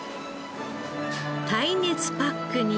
耐熱パックに入れ。